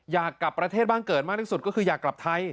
อยากกลับประเทศบ้านเกิดมากที่สุดก็คืออยากกลับไทย